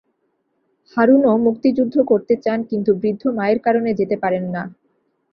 হারুনও মুক্তিযুদ্ধ করতে চান কিন্তু বৃদ্ধ মায়ের কারণে যেতে পারেন না।